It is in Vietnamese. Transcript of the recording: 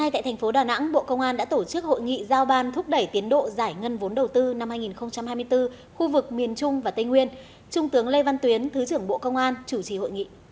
trước đó hội nghị giao ban thúc đẩy tiến độ giải ngân vốn đầu tư năm hai nghìn hai mươi bốn khu vực miền trung và tây nguyên trung tướng lê văn tuyến thứ trưởng bộ công an chủ trì hội nghị